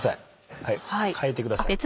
変えてください。